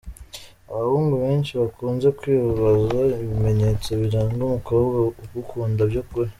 Abahungu benshi bakunze kwibaza ibimenyetso biranga umukobwa ugukunda by’ukuri.